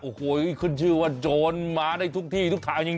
โอ้โหคือชื่อว่าโจรหมาในทุกที่ทุกทางจริง